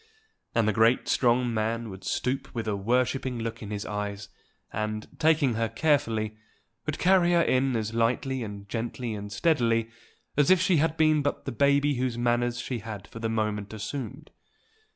And the great strong man would stoop with a worshipping look in his eyes, and, taking her carefully, would carry her in as lightly and gently and steadily as if she had been but the baby whose manners she had for the moment assumed.